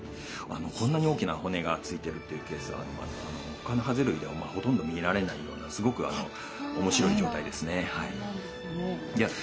こんなに大きな骨がついてるっていうケースはほかのハゼ類ではほとんど見られないようなすごく面白い状態ですね。